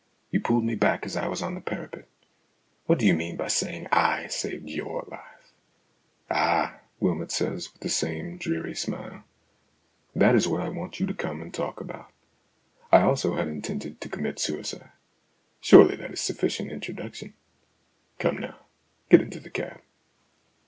You pulled me back as I was on the parapet. What do you mean by saying / saved your life ?"" Ah !" Wylmot says, with the same dreary smile, " that is what I want you to come and talk about. I also had intended to commit suicide. Surely that is sufficient introduction. Come now ; get into the cab."